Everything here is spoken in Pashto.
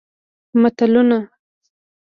متلونه